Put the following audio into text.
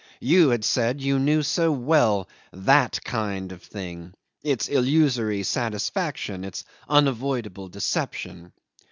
You had said you knew so well "that kind of thing," its illusory satisfaction, its unavoidable deception.